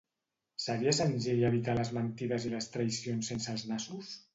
Seria senzill evitar les mentides i les traïcions sense els nassos?